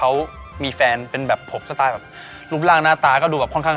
อะไรกี่แค่วันดีครับง่ำโอ้คนลุกมันหวานขึ้น